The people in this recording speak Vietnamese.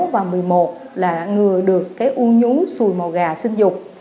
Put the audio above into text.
và một mươi một là ngừa được cái u nhú xùi màu gà sinh dục